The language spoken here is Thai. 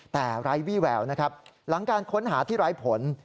แต่ไร้วิแววหลังการค้นหาที่ไร้ผล